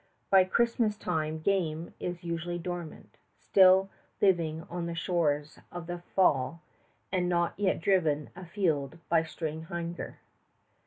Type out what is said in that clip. By Christmas time game is usually dormant, still living on the stores of the fall and not yet driven afield by spring hunger.